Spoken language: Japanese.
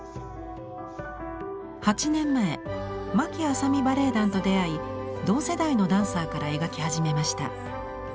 ８年前牧阿佐美バレヱ団と出会い同世代のダンサーから描き始めました。